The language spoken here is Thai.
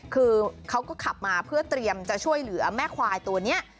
คือเขาก็ขับมาเพื่อเตรียมจะช่วยเหลือแม่ควายตัวนี้